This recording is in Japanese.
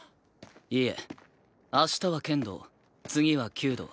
いえ明日は剣道次は弓道。